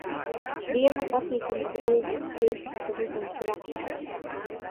Diena patīkami drūma. Liekas, ka rudens ir apstājies.